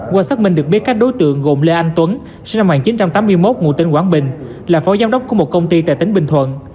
qua xác minh được biết các đối tượng gồm lê anh tuấn sinh năm một nghìn chín trăm tám mươi một ngụ tỉnh quảng bình là phó giám đốc của một công ty tại tỉnh bình thuận